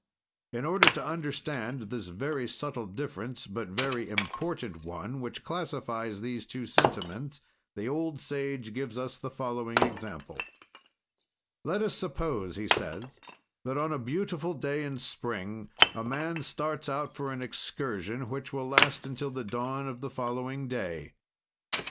In order to understand this very subtle difference, but very important one, which classifies these two sentiments, the old sage gives us the following example: "Let us suppose," he says, "that, on a beautiful day in spring, a man starts out for an excursion which will last until the dawn of the following day.